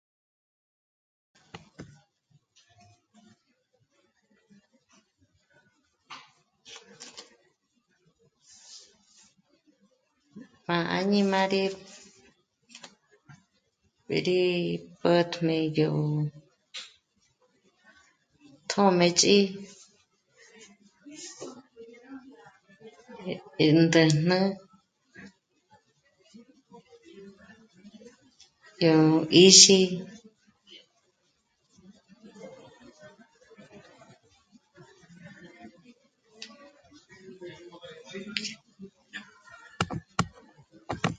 M'á'a añimále rí pä̀'tjmi yó tjṓmëch'i 'ändä̀jne, yó 'íxi